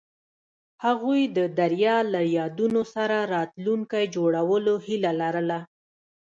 هغوی د دریا له یادونو سره راتلونکی جوړولو هیله لرله.